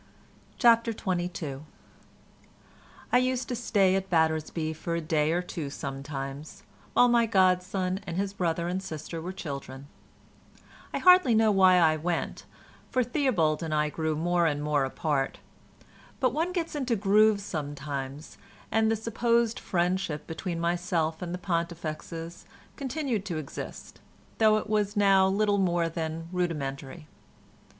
CHAPTER XXII I used to stay at Battersby for a day or two sometimes, while my godson and his brother and sister were children. I hardly know why I went, for Theobald and I grew more and more apart, but one gets into grooves sometimes, and the supposed friendship between myself and the Pontifexes continued to exist, though it was now little more than rudimentary.